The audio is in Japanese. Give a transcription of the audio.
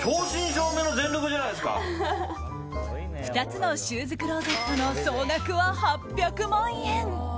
２つのシューズクローゼットの総額は８００万円。